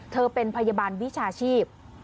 เธอเป็นพยาบาลวิชาชีพ